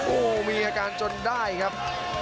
โอ้โหมีอาการจนได้ครับ